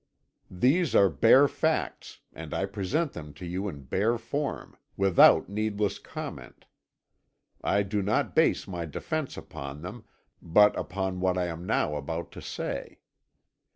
These are bare facts, and I present them to you in bare form, without needless comment. I do not base my defence upon them, but upon what I am now about to say.